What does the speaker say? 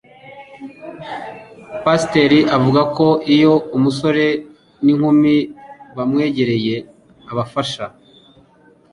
pasiteri avuga ko iyo umusore n'inkumi bamwegereye abafasha